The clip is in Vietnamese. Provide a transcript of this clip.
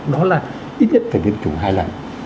đó là ít nhất phải viên chủ hai lần